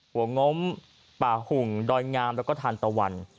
ง้มป่าหุ่งดอยงามแล้วก็ทานตะวัน